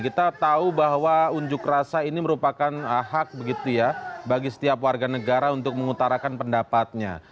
kita tahu bahwa unjuk rasa ini merupakan hak begitu ya bagi setiap warga negara untuk mengutarakan pendapatnya